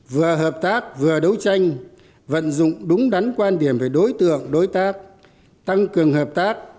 vừa hợp tác vừa đấu tranh vận dụng đúng đắn quan điểm về đối tượng đối tác tăng cường hợp tác